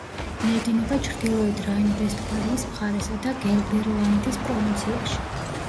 მიედინება ჩრდილოეთ რაინ-ვესტფალიის მხარესა და გელდერლანდის პროვინციაში.